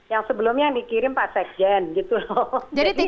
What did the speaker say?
yang sebelumnya yang dikirim pak sekjen gitu loh